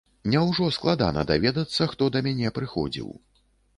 Няўжо складана даведацца, хто да мяне прыходзіў?!